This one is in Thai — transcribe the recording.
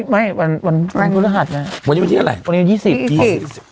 ไม่วันวันวันวันทุกรหัสน่ะวันนี้วันที่อะไรวันนี้ยี่สิบยี่สิบ